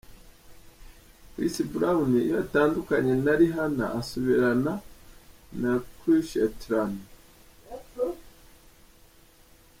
Chris Brown iyo yatandukanye na Rihanna asubirana na Karrueche Tran.